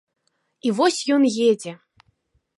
І вось ён едзе.